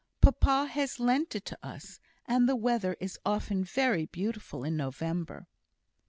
Papa has lent it to us. And the weather is often very beautiful in November."